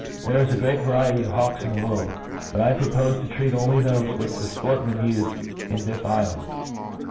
THERE is a great variety of hawks in the world ; but I propofe to treat only of thofe which the fportfmen ufe in tlus ifland.